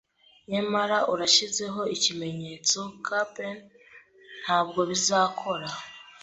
Ariko uranshyizeho ikimenyetso, cap'n, ntabwo bizakora